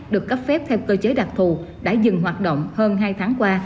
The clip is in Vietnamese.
được cấp phép theo cơ chế đặc thù đã dừng hoạt động hơn hai tháng qua